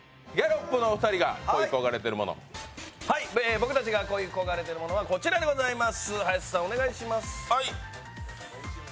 僕たちが恋焦がれているものはこちらでございます。